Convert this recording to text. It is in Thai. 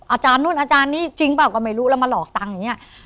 อาจารย์นู่นอาจารย์นี้จริงเปล่าก็ไม่รู้แล้วมาหลอกตังค์อย่างนี้